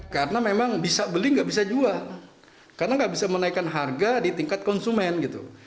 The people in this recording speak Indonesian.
karena memang bisa beli nggak bisa jual karena nggak bisa menaikkan harga di tingkat konsumen gitu